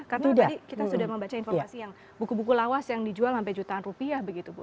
karena tadi kita sudah membaca informasi yang buku buku lawas yang dijual sampai jutaan rupiah begitu bu